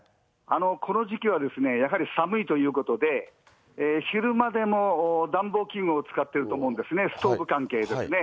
この時期はやはり寒いということで、昼間でも暖房器具を使っていると思うんですね、ストーブ関係ですね。